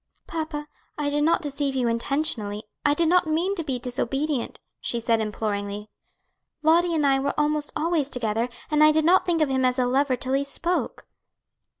"Papa, I did not deceive you intentionally, I did not mean to be disobedient," she said imploringly. "Lottie and I were almost always together, and I did not think of him as a lover till he spoke."